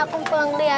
aku pulang dulu ya